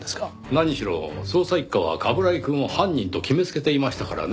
何しろ捜査一課は冠城くんを犯人と決めつけていましたからねぇ。